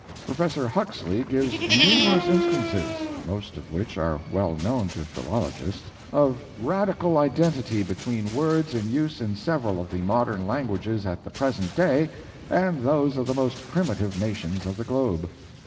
Professor Huxley gives numerous instances (most of which are well known to philologists) of radical identity between words in use in several of the modern languages at the present day and those of the most primitive nations of the globe.